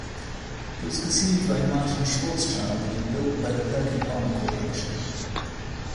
It was conceived by Martin Schwarzschild and built by the Perkin Elmer Corporation.